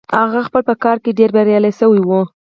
هغه په خپل کار کې ډېر بريالي شوی و.